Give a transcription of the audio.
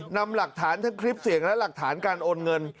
นำหลักฐานทั้งคลิปเสียงและหลักฐานการโอนเงิน